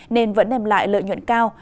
nên vẫn nềm lại lợi nhuận cao